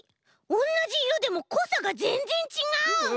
おんなじいろでもこさがぜんぜんちがう！